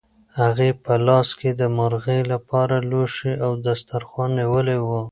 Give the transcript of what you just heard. هغې په لاس کې د غرمې لپاره لوښي او دسترخوان نیولي وو.